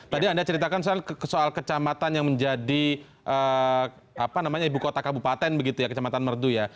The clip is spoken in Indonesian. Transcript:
tadi anda ceritakan soal kecamatan yang menjadi ibu kota kabupaten begitu ya kecamatan merdu ya